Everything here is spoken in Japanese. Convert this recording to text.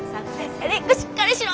エリックしっかりしろ！